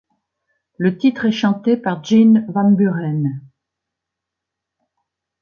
Le titre est chanté par Gene Van Buren.